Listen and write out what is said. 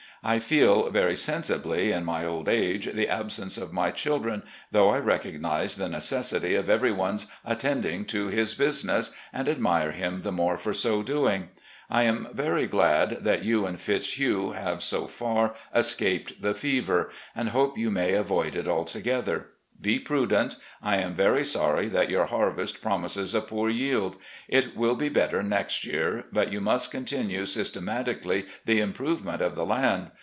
I feel very sensibly, in my old age, the absence of my children, though I recognise the necessity of every one's attending to his business, and admire him the more for so doing. I am veiy glad that 278 RECOLLECTIONS OF GENERAL LEE you and Fitzhugh have, so far, escaped the fever, and hope you may avoid it altogether. Be prudent. I am very sorry that your harvest promises a poor yield. It will be better next year, but you must continue system atically the improvement of the land.